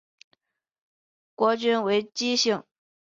国君为姬姓。